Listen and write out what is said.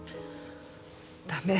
駄目。